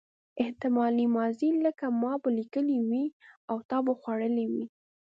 احتمالي ماضي لکه ما به لیکلي وي او تا به خوړلي وي.